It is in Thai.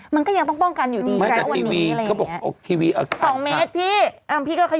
มันก็ยังต้องป้องกันอยู่ดีแม้ว่าวันนี้อะไรอย่างนี้